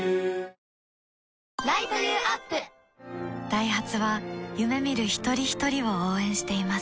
ダイハツは夢見る一人ひとりを応援しています